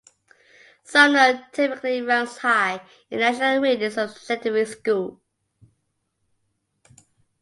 Sumner typically ranks high in national ratings of secondary schools.